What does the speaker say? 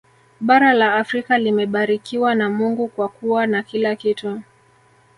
Bara la Afrika limebarikiwa na Mungu kwa kuwa na kila kitu